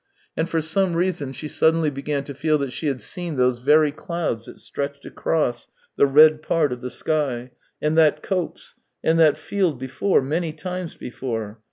And for some reason she suddenly began to feel that she had seen those very clouds that stretched across the red part of the sky, and that copse, and that field before, many times before.